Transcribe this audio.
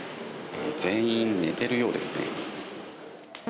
全員、寝ているようですね。